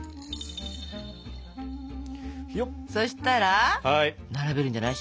そしたら並べるんじゃない？